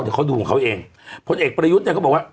เดี๋ยวเขาดูของเขาเองพลเอกประยุทธ์เนี่ยเขาบอกว่า